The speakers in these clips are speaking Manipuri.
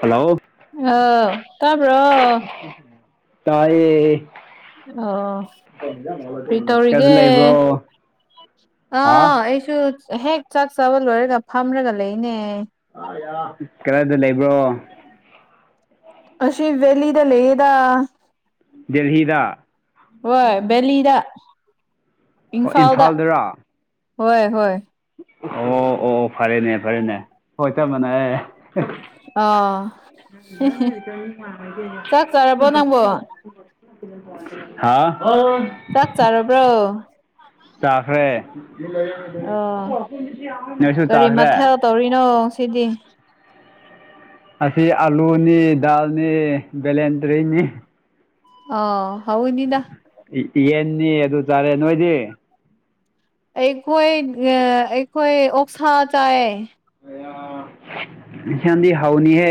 ꯍꯜꯂꯣ ꯑꯥꯎ ꯇꯥꯕ꯭ꯔꯣ ꯇꯥꯌꯦꯦ ꯑꯣ ꯀꯗ ꯄꯔꯤꯇꯧꯒ ꯂꯩꯕ꯭ꯔꯣ ꯑꯥ ꯍꯥꯥ ꯑꯩꯁꯨ ꯍꯦꯛ ꯆꯥꯛ ꯆꯥꯕ ꯂꯣꯏꯔꯒ ꯐꯝꯔꯒ ꯂꯩꯅꯦ ꯀꯗꯥꯏꯗ ꯂꯩꯕ꯭ꯔꯣ ꯑꯁꯤ ꯑꯁꯤ ꯦꯂꯤꯗ ꯂꯩꯗ ꯗꯦꯜꯂꯤꯗ ꯍꯣꯏ ꯕꯦꯂꯤꯗ ꯑꯣ ꯏꯝꯐꯥꯜꯗ ꯏꯝꯐꯥꯜꯗꯔꯥ ꯍꯣꯏ ꯍꯣꯏ ꯑꯣ ꯑꯣ ꯑꯣ ꯐꯔꯦꯅꯦ ꯐꯔꯦꯅꯦ ꯍꯣꯏ ꯆꯃꯅꯦ ꯑꯦ ꯑꯥ ꯅꯪꯗꯖꯦ ꯁꯨꯝꯕ ꯆꯥꯛ ꯆꯥꯔꯕꯣ ꯅꯪꯕꯣ ꯍꯥ ꯆꯥꯛ ꯆꯥꯔꯕ꯭ꯔꯣ ꯆꯥꯈ꯭ꯔꯦ ꯑꯣ ꯅꯣꯏꯁꯨ ꯀꯔꯤ ꯆꯥꯈ꯭ꯔꯦ ꯃꯊꯦꯜ ꯇꯧꯔꯤꯅꯣ ꯁꯤꯗꯤ ꯑꯁꯤ ꯑꯂꯨꯅꯤ ꯗꯜꯅꯤ ꯕꯂꯦꯟꯗꯔꯤꯅꯤ ꯑ ꯍꯥꯎꯅꯤꯗ ꯌꯦꯟꯅꯤ ꯑꯗꯨ ꯆꯥꯔꯦ ꯅꯣꯏꯗꯤ ꯑꯩꯈꯣꯏ ꯑꯩꯈꯣꯏ ꯑꯣꯛꯁꯥ ꯆꯥꯏ ꯌꯟꯁꯪꯗꯤ ꯍꯥꯎꯅꯤ ꯍ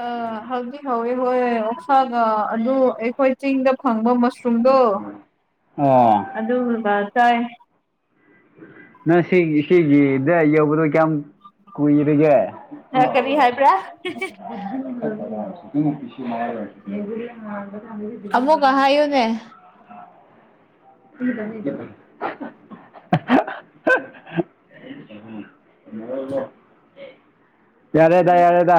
ꯑ ꯍꯧꯖꯤ ꯍꯧꯋꯦ ꯍꯣꯏ ꯑꯣꯛꯁꯥꯒ ꯑꯗꯨ ꯑꯩꯈꯣꯏ ꯆꯤꯡꯗ ꯐꯪꯕ ꯃꯁꯔꯨꯝꯗꯣ ꯑꯣ ꯑꯗꯨꯒ ꯆꯥꯏ꯫ ꯅꯪ ꯁꯤ ꯁꯤꯒꯤꯗ ꯌꯧꯕꯗꯣ ꯀꯌꯥꯝ ꯀꯨꯏꯔꯒꯦ꯫ ꯀꯔꯤ ꯍꯥꯏꯕ꯭ꯔꯥ [unintelligible] ꯑꯃꯨꯛꯀ ꯍꯥꯏꯌꯨꯅꯦ [unintelligible] [inaudible] [unintelligible] ꯌꯥꯔꯦꯗ ꯌꯥꯔꯦꯗ꯫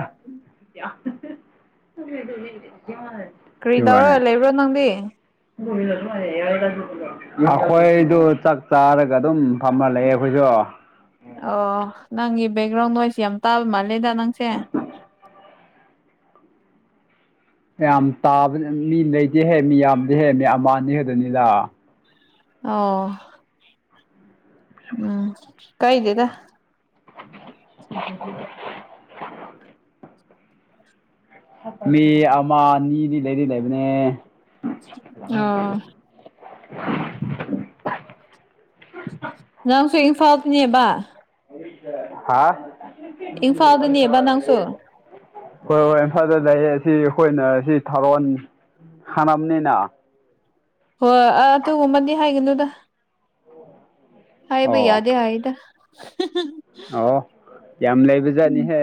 [unintelligible] ꯀꯔꯤꯇꯑꯣꯔꯒ ꯋꯥꯅꯦ ꯂꯩꯕ꯭ꯔꯣ ꯅꯪꯗꯤ꯫ [unintelligible] ꯑꯩꯈꯣꯏꯗꯨ ꯆꯥꯛ ꯆꯥꯔꯒ ꯑꯗꯨꯝ ꯐꯝꯃ ꯂꯩꯌꯦ ꯑꯩꯈꯣꯏꯁꯨ ꯑꯣ ꯅꯪꯒꯤ ꯕꯦꯛꯒ꯭ꯔꯥꯎꯟ ꯅꯣꯏꯁ ꯌꯥꯝ ꯇꯥꯕ ꯃꯥꯜꯂꯦꯗ ꯅꯪꯁꯦ꯫ ꯌꯥꯝꯌꯥꯝ ꯇꯥꯕ ꯃꯤ ꯂꯩꯗꯤꯦꯍꯦ ꯃꯤ ꯌꯥꯝꯗꯦ ꯍꯦ ꯃꯤ ꯑꯃꯥ ꯑꯥꯟꯅꯤ ꯍꯦꯗꯅꯤꯗ꯫ ꯑꯣ ꯎꯝ ꯀꯥꯏꯗꯦꯗ [unintelligible] ꯃꯤ ꯑꯃꯅꯤꯗꯤ ꯂꯩꯗꯤ ꯂꯩꯕꯅꯦ꯫ ꯑꯣ ꯅꯪꯁꯨ ꯏꯝꯐꯥꯜꯇꯅꯦꯕ꯫ ꯍꯥꯥ ꯏꯝꯐꯥꯜꯗꯅꯦꯕ ꯅꯪꯁꯨ꯫ ꯍꯣꯏ ꯍꯣꯏ ꯏꯝꯐꯥꯜꯗ ꯂꯩꯌꯦ ꯑꯁꯤ ꯑꯩꯈꯣꯏꯅ ꯁꯤ ꯊꯥꯔꯣꯟ [unintelligible] ꯍꯣꯏ ꯑꯗꯨꯒꯨꯝꯕꯗꯤ ꯍꯥꯏꯒꯅꯨꯗ ꯍꯥꯏꯕ ꯑꯣ ꯌꯥꯗꯦ ꯍꯥꯏꯗ ꯑꯣ ꯌꯥꯝ ꯂꯩꯕꯖꯥꯠꯅꯤꯍꯦ꯫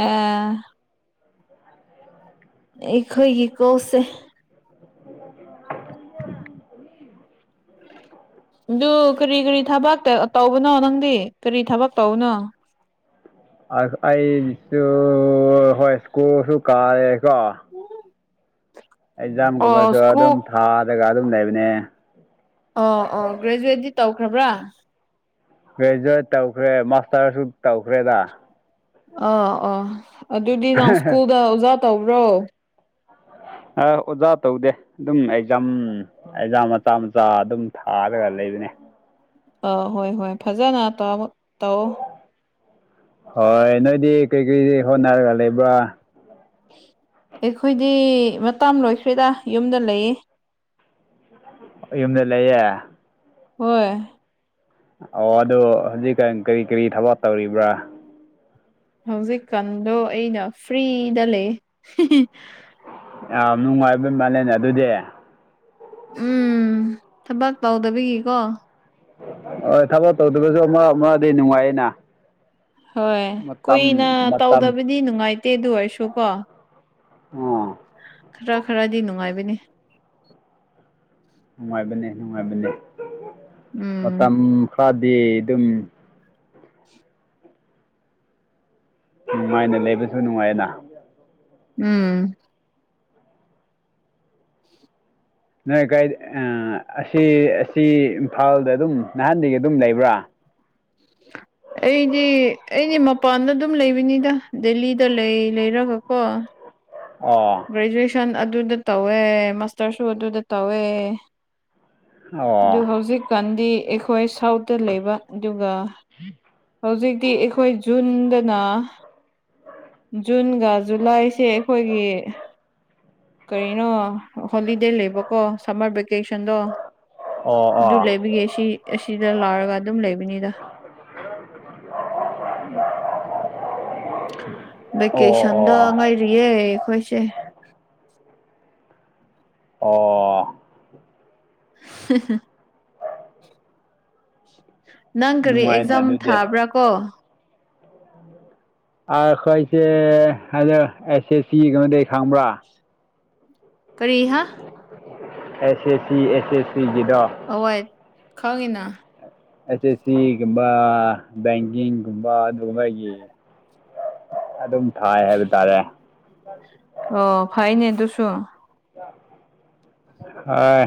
ꯑꯥ ꯑꯩꯈꯣꯏꯒꯤ ꯀꯧꯁꯦ꯫ ꯑꯗꯨ ꯀꯔꯤ ꯀꯔꯤ ꯊꯕꯛ ꯇꯧꯕꯅꯣ ꯅꯪꯗꯤ ꯀꯔꯤ ꯊꯕꯛ ꯇꯧꯕꯅꯣ꯫ ꯑꯩꯁꯨ ꯍꯣꯏ ꯁ꯭ꯀꯨꯁꯨ ꯀꯥꯔꯦꯀꯣ ꯑꯣ ꯑꯦꯛꯖꯥꯝꯒꯨꯝꯕꯁꯨ ꯑꯗꯨꯝ ꯁ꯭ꯀꯨꯜ ꯊꯥꯗꯒ ꯑꯗꯨꯝ ꯂꯩꯕꯅꯦ꯫ ꯑꯣ ꯑꯣ ꯒ꯭ꯔꯦꯖꯨꯋꯦꯠꯇꯤ ꯇꯧꯈ꯭ꯔꯕ꯭ꯔꯥ ꯒ꯭ꯔꯦꯖꯨꯑꯦꯠ ꯇꯧꯈ꯭ꯔꯦ ꯃꯥꯁꯇꯔꯁꯨ ꯇꯧꯈ꯭ꯔꯦꯗ ꯑꯥ ꯑꯥ ꯑꯗꯨꯗꯤ ꯅꯍꯪ ꯁ꯭ꯀꯨꯜꯗ ꯑꯣꯖꯥ ꯇꯧꯕ꯭ꯔꯣ ꯑ ꯑꯣꯖꯥ ꯇꯧꯗꯦ ꯑꯗꯨꯝ ꯑꯦꯖꯥꯝ ꯑꯩꯖꯥ ꯃꯆꯥ ꯃꯆꯥ ꯑꯗꯨꯝ ꯊꯥꯔꯒ ꯂꯩꯕꯅꯦ꯫ ꯑꯥ ꯍꯣꯏ ꯍꯣꯏ ꯐꯖꯅ ꯇ ꯇꯧꯑꯣ꯫ ꯍꯣꯏ ꯅꯣꯏꯗꯤ ꯀꯔꯤꯀꯔꯤ ꯍꯣꯠꯅꯔꯒ ꯂꯩꯕ꯭ꯔꯥ ꯑꯩꯈꯣꯏꯗꯤ ꯃꯇ ꯂꯣꯏꯈ꯭ꯔꯦꯗ ꯌꯨꯝꯗ ꯂꯩꯌꯦ꯫ ꯌꯨꯝꯗ ꯂꯩꯌꯦ꯫ ꯍꯣꯏ ꯑꯣ ꯑꯗꯣ ꯍꯧꯖꯤꯛ ꯀꯔꯤ ꯀꯔꯤ ꯊꯕꯛ ꯇꯧꯔꯤꯕ꯭ꯔꯥ ꯍꯧꯖꯤꯛꯀꯥꯟꯗꯣ ꯑꯩꯅ ꯐ꯭ꯔꯤꯗ ꯂꯩꯌꯦ꯫ ꯌꯥꯝ ꯅꯨꯡꯉꯥꯏꯕ ꯃꯥꯜꯂꯦꯅꯦ ꯑꯗꯨꯗꯤ ꯎꯝ ꯊꯕꯥꯛ ꯇꯧꯗꯕꯒꯤꯀꯣ ꯍꯣꯏ ꯊꯕꯛ ꯇꯧꯗꯕꯁꯨ ꯑꯃ ꯑꯃꯗꯤ ꯅꯨꯡꯉꯥꯏꯩꯅ ꯍꯣꯏ ꯀꯨꯏꯅ ꯃꯇꯝ ꯇꯧꯗꯕꯗꯤ ꯅꯨꯡꯉꯥꯏꯇꯦ ꯑꯗꯨ ꯑꯣꯏꯔꯁꯨꯀꯣ ꯑꯥ ꯈꯔ ꯈꯔꯗꯤ ꯅꯨꯡꯉꯥꯏꯕꯅꯤ ꯅꯨꯡꯉꯥꯏꯕꯅꯦ ꯅꯨꯡꯉꯥꯏꯕꯅꯦ ꯎꯝ ꯃꯇꯝ ꯈꯔꯗꯤ ꯑꯗꯨꯝ ꯅꯨꯡꯉꯥꯏꯅ ꯂꯩꯕꯁꯨ ꯅꯨꯡꯉꯥꯏꯅ ꯎꯝ ꯅꯣꯏ ꯀꯥꯏꯗ ꯑꯁꯤ ꯑꯁꯤ ꯏꯝꯐꯥꯜꯗ ꯑꯗꯨꯝ ꯅꯍꯥꯟꯗꯒꯤ ꯑꯗꯨꯝ ꯂꯩꯕ꯭ꯔꯥ [unintelligible] ꯑꯩꯗꯤ ꯑꯩꯗꯤ ꯃꯄꯥꯟꯗ ꯑꯗꯨꯝ ꯂꯩꯕꯅꯤꯗ ꯗꯦꯜꯂꯤꯗ ꯂꯩ ꯂꯩꯔꯒꯀꯣ ꯑꯣ ꯒ꯭ꯔꯦꯖꯨꯑꯦꯁꯟ ꯑꯗꯨꯗ ꯇꯧꯋꯦ ꯃꯥꯁꯇꯔꯁꯨ ꯑꯗꯨꯗ ꯇꯧꯋꯦ ꯑꯗꯨ ꯑꯣ ꯍꯧꯖꯤꯛꯀꯥꯟꯗꯤ ꯑꯩꯈꯣꯏ ꯁꯥꯎꯠꯇ ꯂꯩꯕ ꯑꯗꯨꯒ [unintelligible] ꯍꯧꯖꯤꯛꯇꯤ ꯑꯩꯈꯣꯏ ꯖꯨꯟꯗꯅ ꯖꯨꯟꯒ ꯖꯨꯂꯥꯏꯁꯦ ꯈꯣꯏꯒꯤ ꯀꯔꯤꯅꯣ ꯍꯣꯂꯤꯗꯦ ꯂꯩꯕꯀꯣ ꯁꯝꯃꯔ ꯚꯦꯀꯦꯁꯟꯗꯣ ꯑꯣ ꯑꯣ ꯑꯗꯨ ꯂꯩꯕꯒꯦ ꯁꯤ ꯑꯁꯤꯗ ꯂꯥꯎꯔꯒ ꯑꯗꯨꯝ ꯂꯩꯕꯅꯤꯗ ꯎꯝ ꯚꯦꯀꯦꯁꯟꯗ ꯑꯣ ꯉꯥꯏꯔꯤꯌꯦ ꯑꯩꯈꯣꯏꯁꯦ ꯑꯣ ꯍ ꯍ ꯅꯪ ꯀꯔꯤ ꯅꯨꯡꯉꯥꯏꯅ ꯑꯦꯛꯖꯥꯝ ꯑꯗꯨꯗꯤ ꯊꯥꯕ꯭ꯔꯥ ꯀꯣ ꯑꯩꯈꯣꯏꯁꯦ ꯍꯟꯗꯛ ꯑꯦꯁ ꯑꯦꯁ ꯁꯤ ꯀꯩꯅꯣꯗꯩ ꯈꯪꯕ꯭ꯔꯥ ꯀꯔꯤ ꯍꯥꯏ ꯑꯦꯁ ꯑꯦ ꯁꯤ ꯑꯦꯁ ꯑꯦ ꯁꯤ ꯤꯗꯥ ꯑꯋꯥꯏ ꯈꯥꯎꯉꯤꯅ ꯑꯦꯁ ꯑꯦꯁ ꯁꯤꯒꯨꯝꯕ ꯕꯦꯡꯀꯤꯡꯒꯨꯝꯕ ꯑꯗꯨꯒꯨꯝꯕꯒꯤ ꯑꯗꯨꯝ ꯊꯥꯏ ꯍꯥꯏꯕ ꯇꯥꯔꯦ ꯑꯣ ꯐꯥꯏꯅꯦ ꯑꯗꯨꯁꯨꯨꯡ ꯍꯣꯏ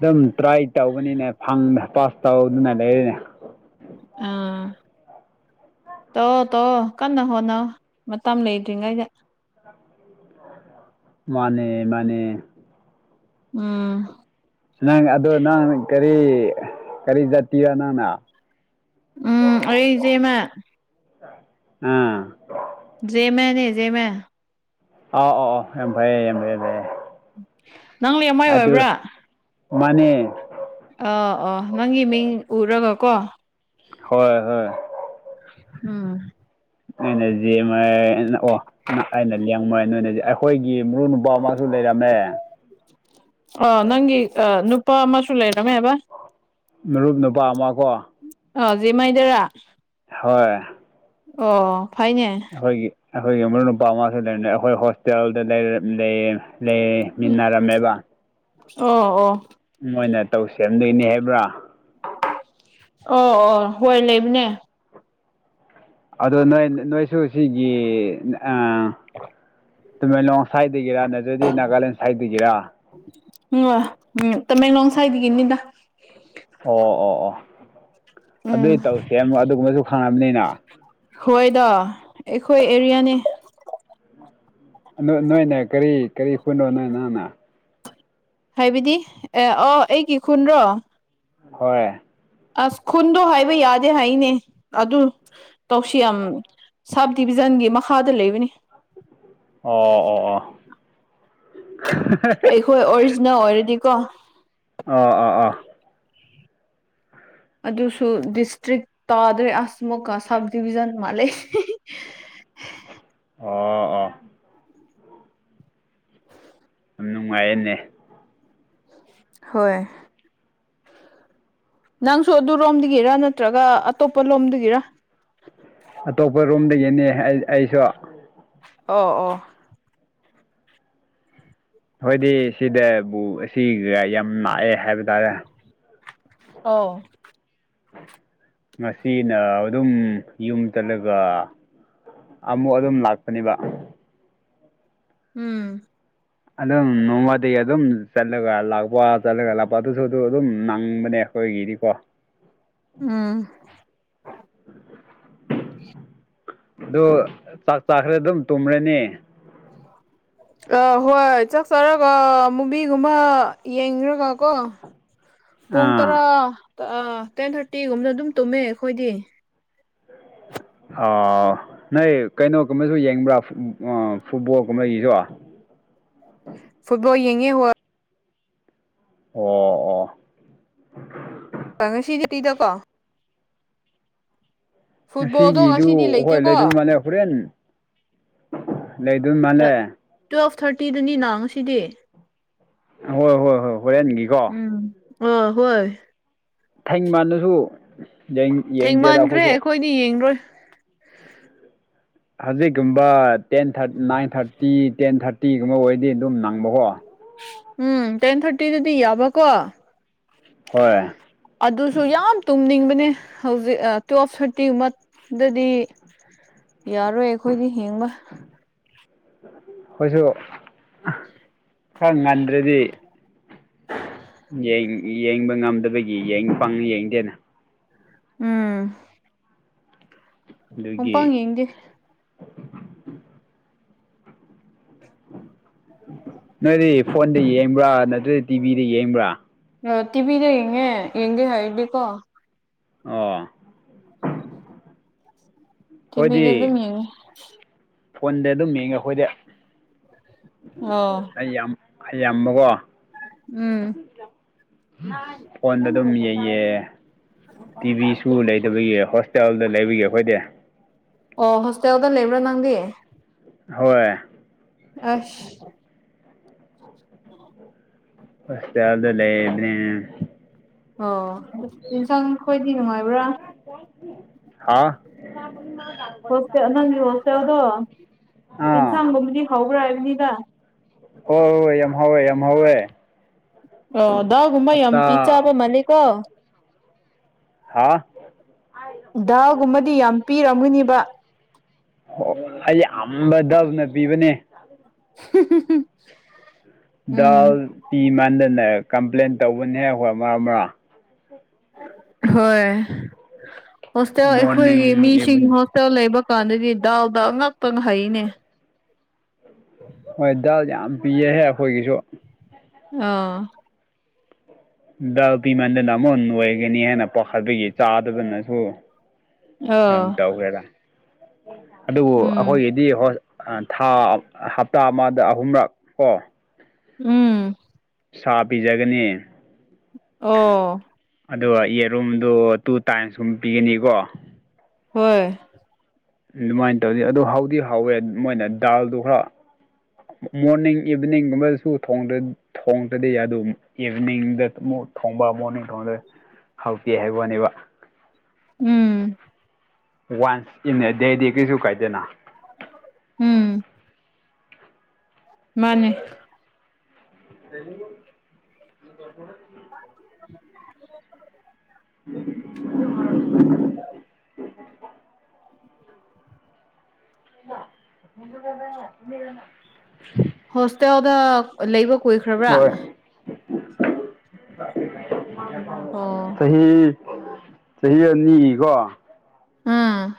ꯑꯗꯨꯝ ꯇ꯭ꯔꯥꯏ ꯇꯧꯕꯅꯤꯅꯦ ꯐꯪ ꯄꯥꯁ ꯇꯧꯗꯨꯅ ꯂꯩꯔꯤꯅꯦ ꯑꯥ ꯇꯧ ꯇꯧꯑꯣ ꯀꯟꯅ ꯍꯣꯠꯅꯧ ꯃꯇꯝ ꯂꯩꯗ꯭ꯔꯤꯉꯩꯗ ꯑꯝ ꯎꯝ ꯃꯥꯅꯦ ꯃꯥꯅꯦ ꯎꯝ ꯅꯪ ꯑꯗꯣ ꯅꯪ ꯀꯔꯤ ꯀꯔꯤ ꯖꯥꯇꯤꯔꯣ ꯅꯪꯅ ꯎꯝ ꯑꯩ ꯏꯆꯦꯃ ꯑꯥ ꯖꯦ ꯃꯅꯦ ꯖꯦ ꯃ ꯑ ꯑꯣ ꯑꯣ ꯌꯥꯝꯡ ꯐꯩꯌꯦ ꯌꯥꯝꯡꯐꯩꯌꯦ ꯌꯥꯌꯦ ꯅꯪ ꯂꯩꯃꯥꯏ ꯑꯣꯏꯕ꯭ꯔꯥ ꯃꯅꯦ ꯑ ꯑꯥ ꯅꯪꯒꯤ ꯃꯤꯡ ꯎꯔꯒ ꯀꯣ ꯍꯣꯏ ꯍꯣꯏ ꯎꯝ ꯑꯩꯅ ꯌꯦꯃꯦ ꯑꯣ ꯑꯩꯅ ꯂꯦꯡꯃꯣꯏ ꯅ ꯑꯩꯈꯣꯏꯒꯤ ꯃꯔꯨ ꯃꯥꯁꯨ ꯂꯩꯔꯝꯃꯦ ꯑ ꯅꯪꯒꯤ ꯅꯨꯄꯥ ꯑꯃꯁꯨ ꯂꯩꯔꯝꯃꯦ ꯍꯥꯏꯕ ꯃꯔꯨꯞ ꯅꯨꯄꯥ ꯑꯃ ꯀꯣ ꯑ ꯖꯤ ꯃꯥꯏꯗꯔꯥ ꯍꯣꯏ ꯑꯣ ꯐꯥꯏꯅꯦ ꯑꯩꯈꯣꯏꯒꯤ ꯑꯩꯈꯣꯏꯒꯤ ꯃꯔꯨꯞ ꯅꯨꯄꯥ ꯑꯃꯁꯁꯨ ꯂꯩꯔꯅ ꯑꯩꯈꯣꯏ ꯍꯣꯁꯇꯦꯜꯗ ꯂꯩ ꯂꯩ ꯃꯤꯟꯅꯔꯝꯃꯦꯕ ꯑꯣ ꯑꯣ ꯃꯣꯏꯅ ꯇꯧ ꯁꯦꯝꯗꯣꯏꯅꯤ ꯍꯥꯏꯕ꯭ꯔꯥ ꯑꯣ ꯑꯣ ꯍꯣꯏ ꯂꯩꯕꯅꯦ ꯑꯗꯣ ꯅꯣꯏ ꯅꯣꯏꯁꯨ ꯁꯤꯒꯤ ꯍꯂ ꯇꯃꯦꯡꯂꯣꯡ ꯁꯥꯏꯠꯇꯒꯤꯔꯥ ꯅꯠꯇꯗꯤ ꯅꯥꯒꯥꯂꯦꯟ ꯁꯥꯏꯠꯇꯒꯤꯔꯥ ꯎ ꯋꯥ ꯎꯝ ꯇꯃꯦꯡꯂꯣꯡ ꯁꯥꯏꯗꯒꯤꯅꯤꯗ ꯑꯣ ꯑꯣ ꯑꯣ ꯑꯗꯨꯏ ꯎꯝ ꯇꯧꯁꯦ ꯑꯃꯨꯛ ꯑꯗꯨꯒꯨꯝꯕꯁꯨ ꯈꯪꯉꯕꯅꯤꯅ ꯍꯣꯏꯗ ꯑꯩꯈꯣꯏ ꯑꯦꯔꯤꯌꯥꯅꯤ ꯅꯣꯏꯅꯦ ꯀꯔꯤ ꯀꯔꯤ ꯍꯨꯏꯅꯣ ꯅꯣꯏ ꯅꯪꯅ ꯍꯥꯏꯕꯤꯗꯤ ꯑꯦ ꯑꯣ ꯑꯩꯒꯤ ꯈꯨꯟ꯭ꯔꯣ ꯍꯣꯏ ꯑꯁ ꯈꯨꯟꯗꯣ ꯍꯥꯏꯕ ꯌꯥꯗꯦ ꯍꯥꯏꯅꯦ ꯑꯗꯨ ꯇꯧꯁꯤ ꯌꯥꯝ ꯁꯕ ꯗꯤꯕꯤꯖꯟꯒꯤ ꯃꯈꯥꯗ ꯂꯩꯕꯅꯤ ꯑꯣ ꯑꯣ ꯑꯣ ꯑꯩꯈꯣꯏ ꯑꯣꯔꯖꯤꯅ ꯑꯣꯏꯔꯗꯤꯀꯣ ꯑꯣꯥ ꯑꯥ ꯑꯗꯨꯁꯨ ꯗꯤꯁꯇ꯭ꯔꯤꯛ ꯇꯥꯗ꯭ꯔꯦ ꯑꯁꯃꯨꯛꯀ ꯁꯕ ꯗꯤꯕꯤꯖꯟ ꯑꯃ ꯂꯩꯦ ꯑꯣꯥ ꯑꯥ ꯌꯥꯝ ꯅꯨꯡꯉꯥꯏꯌꯦꯅꯦ ꯍꯣꯏ ꯅꯪꯁꯨ ꯑꯗꯨꯔꯣꯝꯗꯒꯤꯔ ꯅꯠꯇ꯭ꯔꯒ ꯑꯇꯣꯞꯄ ꯂꯣꯝꯗꯒꯤꯔ ꯑꯇꯣꯞꯄ ꯔꯣꯝꯗꯒꯤꯅꯤ ꯑꯩꯁꯨ ꯑꯣ ꯑꯣ ꯍꯣꯏꯗꯤ ꯁꯤꯗꯕꯨ ꯑꯁꯤꯒ ꯌꯥꯝ ꯂꯥꯛꯑꯦ ꯍꯥꯏꯕ ꯇꯥꯔꯦ ꯑꯣ ꯉꯁꯤꯅ ꯑꯗꯨꯝ ꯌꯨꯝ ꯆꯠꯂꯒ ꯑꯃꯨꯛ ꯑꯗꯨꯝ ꯂꯥꯛꯄꯅꯦꯕ ꯎꯝ ꯑꯗꯨꯝ ꯅꯣꯡꯃꯗꯤ ꯑꯗꯨꯝ ꯆꯠꯂꯒ ꯂꯥꯛꯄ ꯆꯠꯂꯒ ꯂꯥꯛꯄ ꯑꯗꯨꯁꯨ ꯑꯗꯨ ꯑꯗꯨꯝ ꯅꯪꯕꯅꯦ ꯑꯣꯏꯒꯤꯗꯤꯀꯣ ꯎꯝ ꯎꯝ ꯑꯗꯨ ꯆꯥꯛ ꯆꯥꯈ꯭ꯔꯦ ꯑꯗꯨꯝ ꯇꯨꯝꯔꯅꯤ ꯎ ꯑ ꯍꯣꯏ ꯆꯥꯛ ꯆꯔꯒ ꯃꯨꯕꯤꯒꯨꯝꯕ ꯌꯦꯡ꯭ꯔꯒ ꯀꯣ ꯄꯨꯡ ꯑꯥ ꯇꯔꯥ ꯇꯦꯟ ꯊꯥꯔꯇꯤꯒꯨꯝꯕꯅ ꯑꯗꯨꯝ ꯇꯨꯝꯃꯦ ꯑꯩꯈꯣꯏꯗꯤ ꯅꯣꯏ ꯀꯩꯅꯣꯒꯨꯝꯕꯁꯨ ꯌꯦꯡꯕ꯭ꯔꯥ ꯐꯨꯠꯕꯣꯜꯒꯨꯝꯕꯒꯤꯁꯨ ꯐꯨꯠꯕꯣꯜꯡꯉꯦ ꯍꯣ ꯑꯣ ꯉꯁꯤꯗꯤꯄꯤꯤꯗꯀꯣ ꯐꯨꯠꯕꯣꯜꯗꯣ ꯉꯁꯤꯒꯤꯗꯨ ꯉꯁꯤꯗꯤ ꯍꯣꯏ ꯂꯩꯇꯦꯀꯣ ꯂꯩꯗꯣꯏ ꯃꯥꯜꯂꯦ ꯍꯣꯔꯦꯟ ꯂꯩꯗꯣꯏ ꯃꯥꯜꯂꯦ ꯇꯨꯌꯦꯜꯐ ꯊꯥꯔꯇꯤꯗꯅꯤ ꯅꯥꯡꯁꯤꯗꯤ ꯍꯣꯏ ꯍꯣꯏ ꯍꯣꯏ ꯍꯣꯏꯣ ꯎꯝ ꯑ ꯍꯣꯏ ꯊꯩ ꯃꯗꯨꯁꯨ ꯌꯦꯡꯗꯦꯗ ꯑꯩꯈꯣꯏꯁꯨ ꯃꯤ ꯌꯦ ꯌꯦꯡꯂꯔꯣꯏ ꯍꯧꯖꯤꯛꯀꯨꯝꯕ ꯇꯦꯟ ꯅꯥꯏꯟ ꯊꯥꯔꯇꯤ ꯇꯦꯟ ꯊꯥꯔꯇꯤꯒꯨꯝꯕ ꯑꯣꯏꯔꯗꯤ ꯑꯗꯨꯝ ꯅꯪꯕꯀꯣ ꯎꯝ ꯇꯦꯟ ꯊꯥꯔꯇꯤꯗꯗꯤ ꯌꯥꯕꯀꯣ ꯍꯣꯏ ꯑꯗꯨꯁꯨ ꯌꯥꯝ ꯇꯨꯝꯅꯤꯡꯕꯅꯦ ꯍꯧꯖꯤꯛ ꯇꯨꯋꯦꯜꯐ ꯊꯥꯔꯇꯤꯒꯨꯝꯕ ꯗꯗꯤ ꯌꯥꯔꯣꯏ ꯑꯩꯈꯣꯏꯗꯤ ꯍꯡꯕ ꯑꯩꯈꯣꯏꯁꯨ ꯈꯔ ꯉꯟꯗ꯭ꯔꯗꯤ ꯌꯦꯡꯕ ꯉꯝꯗꯕꯒꯤ ꯄꯪ ꯌꯦꯡꯗꯦꯅ ꯎꯝ ꯍꯄꯪ ꯑꯗꯨꯒꯤ ꯌꯦꯦ ꯅꯣꯏꯗꯤ ꯐꯣꯟꯗ ꯌꯦꯡꯕ꯭ꯔꯥ ꯅꯠꯇ꯭ꯔ ꯇꯤꯚꯤꯗ ꯌꯦꯡꯕ꯭ꯔꯥ ꯑ ꯇꯤꯚꯤꯗ ꯌꯦꯡꯉꯦ ꯌꯦꯡꯒꯦ ꯍꯥꯏꯗꯤꯦꯀꯣ ꯑꯣ ꯇꯤ ꯄꯤꯗ ꯑꯩꯈꯣꯏꯗꯤ ꯑꯗꯨꯃꯤ ꯐꯣꯟꯗ ꯑꯗꯨꯝ ꯌꯦꯡꯉꯦ ꯑꯩꯈꯣꯏꯗ ꯑꯣ ꯑꯩ ꯌꯥꯝ ꯌꯥꯝꯕꯀꯣ ꯎꯝ ꯐꯣꯟꯗ ꯑꯗꯨꯝ ꯌꯩꯌꯦ ꯇꯤ ꯚꯤꯁꯨ ꯂꯩꯇꯕꯒꯤ ꯍꯣꯁꯇꯦꯜꯗ ꯂꯩꯕꯒꯤ ꯑꯩꯈꯣꯏꯗꯤ ꯑꯣ ꯍꯣꯁꯇꯦꯜꯗ ꯂꯩꯕ꯭ꯔꯣ ꯅꯪꯗꯤ ꯍꯣꯏ ꯑ ꯎꯝ ꯑ ꯐꯁꯦ ꯌꯥꯥꯎꯗ ꯂꯩ ꯏꯅꯦ ꯑꯣ ꯌꯦꯟꯁꯥꯡ ꯈꯣꯏꯗꯤ ꯅꯨꯡꯉꯥꯏꯕ꯭ꯔꯥ ꯍꯥꯥ ꯍꯣꯁꯇꯦꯜ ꯅꯪꯒꯤ ꯍꯣꯁꯇꯦꯜꯗꯣ ꯑꯥ ꯌꯦꯟꯁꯥꯡꯒꯨꯝꯕꯨꯗꯤ ꯍꯥꯎꯕ꯭ꯔꯥ ꯍꯥꯏꯕꯅꯤꯗ ꯍꯣꯏ ꯍꯣꯏ ꯌꯥꯝ ꯍꯋꯦ ꯌꯥꯝ ꯍꯧꯋꯣꯏꯦ ꯑꯣ ꯗꯥꯎꯒꯨꯝꯕ ꯌꯥꯝ ꯄꯤ ꯆꯥꯕ ꯃꯥꯂꯦꯀꯣ ꯍꯥꯥ ꯗꯥꯒꯨꯝꯕꯗꯤ ꯌꯥꯝ ꯄꯤꯔꯝꯒꯅꯤꯕ ꯑꯣ ꯑꯩꯁꯦ ꯑꯕ ꯗꯕꯅ ꯄꯤꯕꯅꯦ [inaudible] ꯗꯥꯜ ꯎꯝ ꯄꯤ ꯃꯥꯟꯗꯅ ꯀꯝꯄ꯭ꯂꯦꯟ ꯇꯧꯕꯅꯤꯍꯦꯛ ꯍꯣꯏ ꯃꯔꯣ ꯃꯔꯣ ꯍꯣꯏ ꯍꯣꯁꯇꯦꯜ ꯑꯩꯈꯣꯏꯒꯤ ꯃꯣꯔꯅꯤꯡ ꯃꯤꯁꯤꯡ ꯏꯚꯤꯅꯤꯡ ꯍ ꯂꯩꯕ ꯀꯥꯟꯗꯗꯤ ꯗꯥꯎꯗ ꯉꯥꯛꯇꯪ ꯍꯩꯅꯦ ꯎꯝ ꯍꯣꯏ ꯗꯥꯜ ꯌꯥꯝ ꯄꯤꯌꯦꯍꯦ ꯑꯩꯈꯣꯏꯒꯤꯁꯨ ꯑ ꯗꯜ ꯄꯤꯃꯟꯗꯅ ꯑꯃꯨꯛ ꯑꯣꯏꯒꯅꯤ ꯍꯥꯏꯅ ꯄꯥꯈꯠꯄꯒꯤ ꯆꯥꯗꯗꯅꯁꯨ ꯌꯥꯝ ꯑꯥ ꯇꯧꯈ꯭ꯔꯦꯗ ꯑꯗꯨꯕꯨ ꯎꯝ ꯑꯩꯈꯣꯏꯒꯤꯗꯤ ꯍ ꯊꯥ ꯍꯞꯇꯥ ꯑꯃꯗ ꯑꯍꯨꯝꯔꯛ ꯀꯣ ꯎꯝ ꯁꯥ ꯄꯤꯖꯒꯅꯤ ꯑꯣ ꯑꯗꯣ ꯌꯦꯔꯨꯝꯗꯣ ꯇꯨ ꯇꯥꯏꯝꯁꯀꯨꯝꯕ ꯄꯤꯒꯅꯤꯀꯣ ꯍꯣꯏ ꯑꯗꯨꯃꯥꯏꯅ ꯇꯧꯗꯤ ꯑꯗꯨ ꯍꯥꯎꯗꯤ ꯍꯥꯎꯋꯦ ꯃꯣꯏꯅ ꯗꯥꯜꯗꯣ ꯈꯔ ꯃꯣꯔꯅꯤꯡ ꯏꯚꯤꯅꯤꯡꯒꯨꯝꯕꯗꯁꯨ ꯊꯣꯡꯗ ꯊꯣꯡꯗ꯭ꯔꯗꯤ ꯌꯥꯗ ꯏꯚꯅꯤꯡꯗ ꯑꯃꯨꯛ ꯊꯣꯡꯕ ꯃꯣꯔꯅꯤꯡ ꯊꯣꯡꯕꯗ ꯍꯥꯎꯇꯦ ꯍꯥꯏꯕꯅꯦꯕ ꯎꯝ ꯋꯥꯟꯁ ꯏꯟ ꯑꯦ ꯗꯦꯗꯤ ꯀꯩꯁꯨ ꯀꯥꯏꯗꯦꯅ ꯎꯝ ꯃꯥꯅꯦ ꯗꯅꯤ [unintelligible] [inaudible] [inaudible] ꯏ ꯀ ꯏꯗꯅ ꯍꯣꯁꯇꯦꯜꯗ ꯂꯩꯕ ꯀꯨꯏꯈ꯭ꯔꯕ꯭ꯔꯥ ꯍꯣꯏ ꯑꯣ ꯆꯍꯤ ꯍ ꯆꯍꯤ ꯑꯅꯤꯒꯤꯀꯣ ꯎꯝ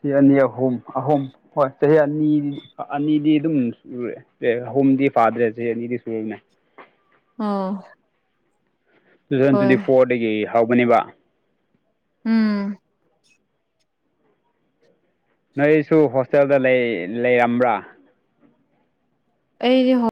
ꯆꯍꯤ ꯑꯅꯤ ꯑꯍꯨꯝ ꯑꯍꯨꯝ ꯍꯣꯏ ꯆꯍꯤ ꯑꯅꯤ ꯑꯅꯤꯗꯤ ꯑꯗꯨꯝ ꯁꯨꯔꯑꯦ ꯑꯦ ꯑꯍꯨꯝꯗꯤ ꯐꯥꯗ꯭ꯔꯦ ꯁꯤ ꯑꯅꯤꯗꯤ ꯁꯨꯔꯕꯅꯦ ꯑꯣ ꯇꯨ ꯊꯥꯎꯖꯟ ꯍꯣꯏ ꯇ꯭ꯋꯦꯟꯇꯤ ꯐꯣꯔꯗꯒꯤ ꯍꯧꯕꯅꯦꯕ ꯎꯝ ꯅꯣꯏꯁꯨ ꯍꯣꯁꯇꯦꯜꯗ ꯂꯩꯔꯝꯕ꯭ꯔꯥ ꯑꯩ ꯍꯣ